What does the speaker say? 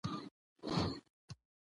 زه يو هلک يم